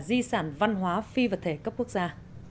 di sản văn hóa phi vật thể cấp quốc gia